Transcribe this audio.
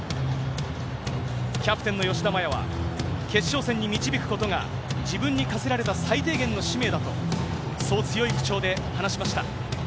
キャプテンの吉田麻也は、決勝戦に導くことが、自分に課せられた最低限の使命だと、そう強い口調で話しました。